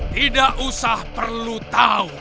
tidak usah perlu tahu